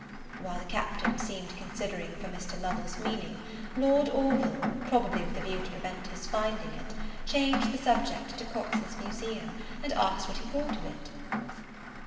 While the Captain seemed considering for Mr. Lovel's meaning, Lord Orville, probably with a view to prevent his finding it, changed the subject to Cox's Museum, and asked what he thought of it?